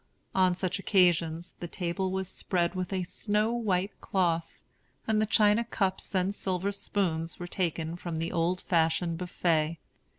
On such occasions, the table was spread with a snow white cloth, and the china cups and silver spoons were taken from the old fashioned buffet.